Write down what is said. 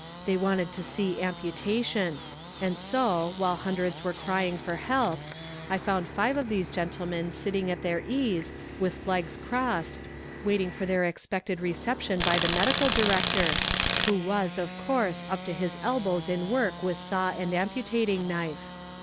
They wanted to see amputation, and so, while hundreds were crying for help, I found five of these gentlemen sitting at their ease, with legs crossed, waiting for their expected reception by the medical director, who was, of course, up to his elbows in work with saw and amputating knife.